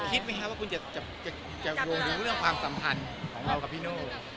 คุณคิดไหมคะว่าคุณจะรวมถึงเรื่องความสัมพันธ์ของเรากับพี่โน้